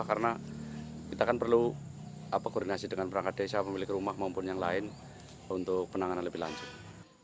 karena kita kan perlu koordinasi dengan perangkat desa pemilik rumah maupun yang lain untuk penanganan lebih lanjut